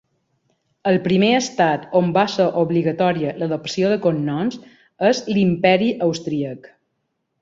El primer estat on va ser obligatòria l'adopció de cognoms és l'Imperi austríac.